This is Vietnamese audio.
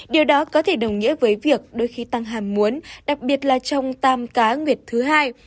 điều đó có thể đồng nghĩa với việc đôi khi tăng hàm muốn đặc biệt là trong tam cá nguyệt thứ hai